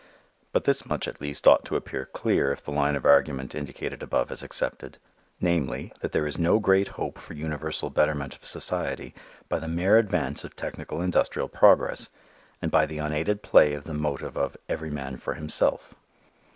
But this much at least ought to appear clear if the line of argument indicated above is accepted, namely, that there is no great hope for universal betterment of society by the mere advance of technical industrial progress and by the unaided play of the motive of every man for himself.